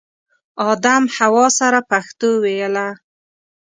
ادم حوا سره پښتو ویله